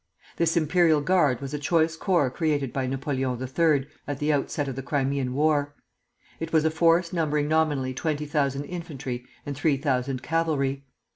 This Imperial Guard was a choice corps created by Napoleon III. at the outset of the Crimean War. It was a force numbering nominally twenty thousand infantry and three thousand cavalry.